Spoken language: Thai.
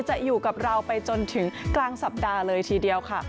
จะอยู่กับเราไปจนถึงกลางสัปดาห์เลยทีเดียวค่ะ